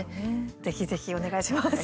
ぜひぜひ、お願いします。